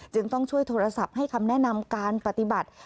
จึงต้องช่วยโทรศัพท์ให้คำแนะนำการปฏิบัติ